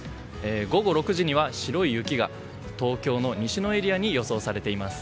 午後６時には白い雪が東京の西のエリアに予想されています。